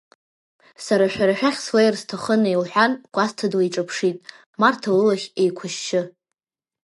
Сара шәара шәахь слеир сҭахынеи лҳәан Кәасҭа длеиҿаԥшит, Марҭа лылахь еиқәышьшьы.